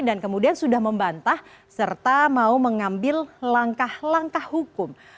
dan kemudian sudah membantah serta mau mengambil langkah langkah hukum